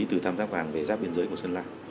từ tham gia vàng về giáp biên giới của sơn la